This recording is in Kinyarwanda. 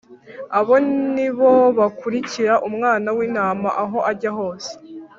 Abo ni bo bakurikira Umwana w’Intama aho ajya hose.